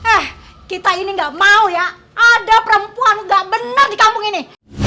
eh kita ini gak mau ya ada perempuan gak benar di kampung ini